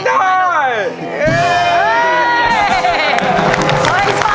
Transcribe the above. โดยเชียร์มวยไทยรัฐมาแล้ว